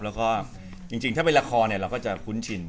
แล้วก็จริงถ้าเป็นละครเราก็จะคุ้นชิน